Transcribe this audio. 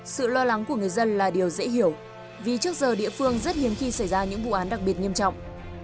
sự lo lắng của người dân là điều dễ hiểu vì trước giờ địa phương rất hiếm khi xảy ra những vụ án đặc biệt nghiêm trọng